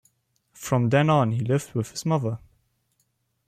From then on he lived with his mother.